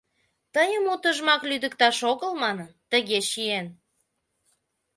— Тыйым утыжымак лӱдыкташ огыл манын, тыге чиен.